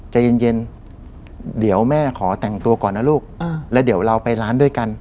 ใจเย็น